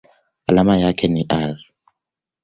Alama yake ni Ar.